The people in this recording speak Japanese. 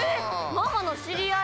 ⁉ママのしりあい？